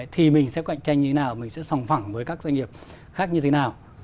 thì mình sẽ cạnh tranh như thế nào mình sẽ sòng phẳng với các doanh nghiệp khác như thế nào